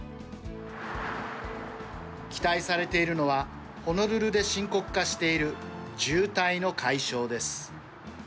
期待されているのはホノルルで深刻化している渋滞の解消です。